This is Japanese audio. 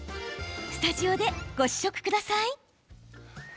スタジオでご試食ください。